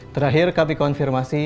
terakhir kami konfirmasi